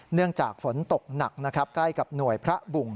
เนื่องจากฝนตกหนักนะครับใกล้กับหน่วยพระบุ่ง